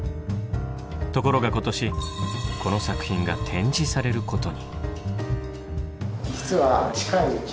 ところが今年この作品が展示されることに。